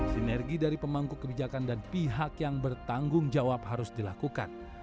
sinergi dari pemangku kebijakan dan pihak yang bertanggung jawab harus dilakukan